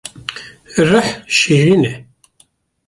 Rih şêrîn e